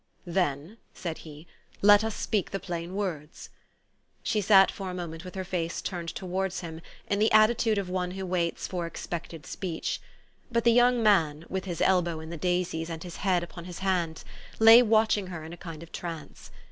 " Then," said he, " let us speak the plain words." She sat for a moment with her face turned towards him, in the attitude of one who waits for expected speech. But the young man, with his elbow in the daisies, and his head upon his hand, lay watching her in a kind of trance.